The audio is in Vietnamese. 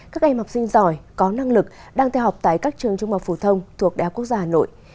các em học sinh giỏi có năng lực đang theo học tại các trường trung học phổ thông thuộc đại học quốc gia hà nội